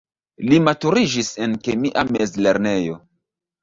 Li maturiĝis en kemia mezlernejo.